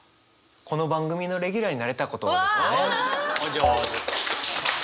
この番組のレギュラーになれたことですかね。